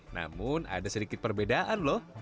namun ada sedikit perbedaan loh